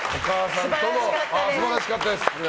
素晴らしかったです。